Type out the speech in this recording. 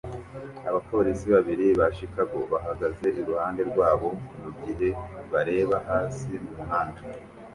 Abapolisi babiri ba Chicago bahagaze iruhande rwabo mu gihe bareba hasi mu muhanda